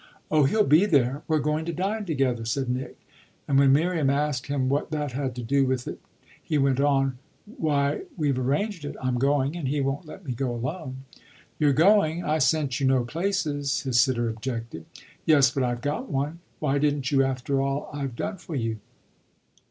"Oh he'll be there we're going to dine together," said Nick. And when Miriam asked him what that had to do with it he went on: "Why we've arranged it; I'm going, and he won't let me go alone." "You're going? I sent you no places," his sitter objected. "Yes, but I've got one. Why didn't you, after all I've done for you?"